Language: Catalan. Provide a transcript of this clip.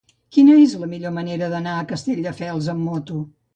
Quina és la millor manera d'anar a Castelldefels amb moto?